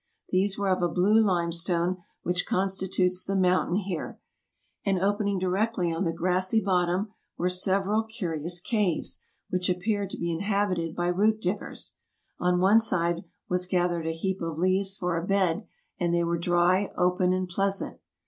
These were of a blue limestone, which constitutes the mountain here; and opening directly on the grassy bottom were several curi 88 TRAVELERS AND EXPLORERS ous caves, which appeared to be inhabited by root diggers. On one side was gathered a heap of leaves for a bed, and they were dry, open, and pleasant.